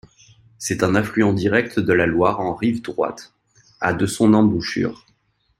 C'est un affluent direct de la Loire en rive droite, à de son embouchure.